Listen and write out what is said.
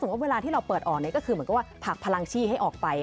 สมมุติว่าเวลาที่เราเปิดออกก็คือเหมือนกับว่าพักพลังชี่ให้ออกไป